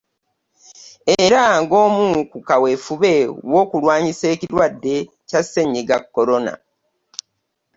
Era ng'omu ku kaweefube w'okulwanyisa ekirwadde kya Ssennyiga Corona.